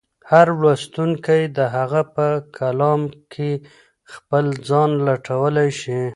هر لوستونکی د هغه په کلام کې خپل ځان لټولی شي.